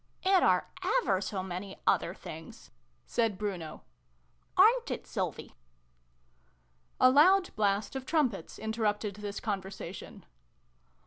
" It are ever so many other things," said Bruno. " Arerit it, Sylvie ?" A loud blast of trumpets interrupted this conversation.